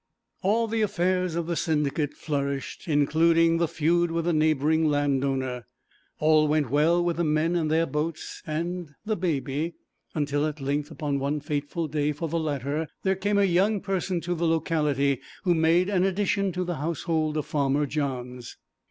All the affairs of the Syndicate flourished, including the feud with the neighbouring landowner. All went well with the men and their boats and the Baby, until, at length, upon one fateful day for the latter, there came a young person to the locality who made an addition to the household of Farmer Johns.